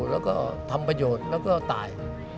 แล้วก็ทำประโยชน์แล้วก็ตาย